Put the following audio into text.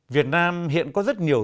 việt nam hiện có rất nhiều